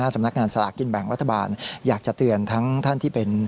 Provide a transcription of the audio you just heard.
สำนักงานสลากกินแบ่งรัฐบาลอยากจะเตือนทั้งท่านที่เป็น